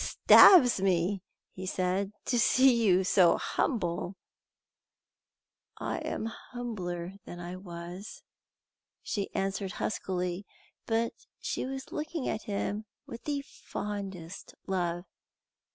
"It stabs me," he said, "to see you so humble." "I am humbler than I was," she answered huskily, but she was looking at him with the fondest love.